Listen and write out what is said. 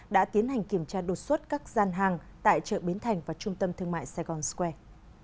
đã tiến hành kiểm tra đột xuất các gian hàng tại chợ bến thành và trung tâm thương mại sài gòn square